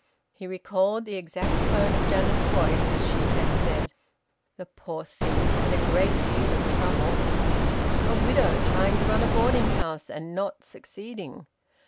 He recalled the exact tone of Janet's voice as she had said: "The poor thing's had a great deal of trouble." A widow, trying to run a boarding house and not succeeding!